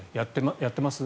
やってます？